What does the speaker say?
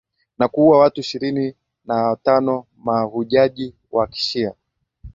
na kuua watu ishirini na watano mahujaji wa kishia